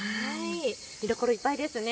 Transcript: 見どころいっぱいですね。